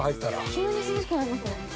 ◆急に涼しくなりましたね。